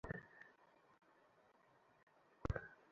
তিনি বৈরুতে মৃত্যুবরণ করেন।